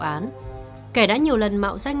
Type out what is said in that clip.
kẻ đã nhiều lần mạo danh nạn nhân để tống tiền gia đình